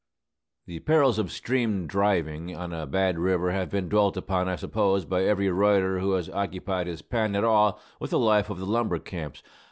The perils of "stream driving" on a bad river have been dwelt upon, I suppose, by every writer who has occupied his pen at all with the life of the lumber camps.